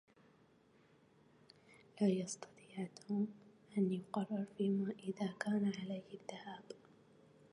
لا يستطيع توم أن يقرر فيما إذا كان عليه الذهاب.